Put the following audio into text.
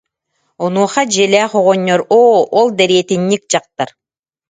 Онуоха дьиэлээх оҕонньор: «Оо, ол дэриэтинньик дьахтар